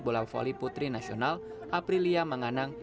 bola voli putri nasional aprilia menganang